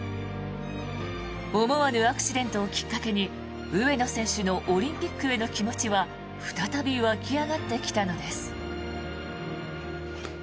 思わぬアクシデントをきっかけに上野選手のオリンピックへの気持ちは再び湧き上がってきたのです。